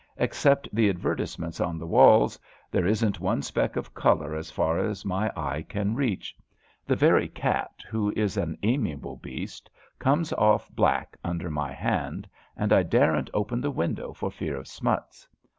Except the advertisements on the walls, there i^n't one speck of colour as far as my eye can reach. The very cat, who is an amiable beast, comes off black under my hand, and I daren't open the window for fear of smuts.